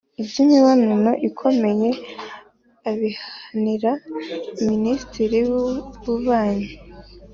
iby'imibonano ikomeye abiharira minisitiri w'ububanyi